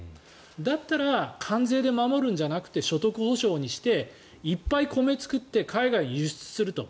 だったら関税で守るんじゃなくて所得補償にしていっぱい米を作って海外に輸出すると。